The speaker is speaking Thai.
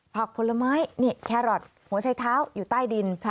ผลไม้นี่แครอทหัวชัยเท้าอยู่ใต้ดิน